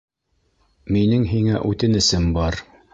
Минең һиңә үтенесем бар.